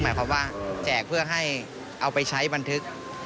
หมายความว่าแจกเพื่อให้เอาไปใช้บันทึก